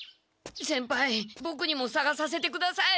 先輩ボクにもさがさせてください。